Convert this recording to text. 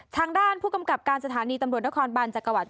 ทางด้านผู้กำกับการสถานีตำรวจนครบานจักรวรรดิ